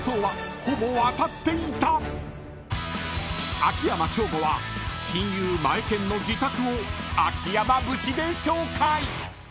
［秋山翔吾は親友マエケンの自宅を秋山節で紹介］